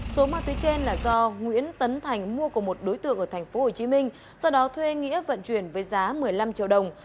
số ma túy trên là do nguyễn tấn thành mua của một đối tượng ở tp hcm sau đó thuê nghĩa vận chuyển với giá một mươi năm triệu đồng